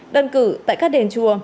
đơn cử tại các đền chùa